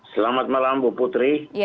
selamat malam bu putri